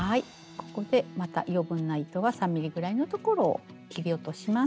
ここでまた余分な糸は３ｍｍぐらいのところを切り落とします。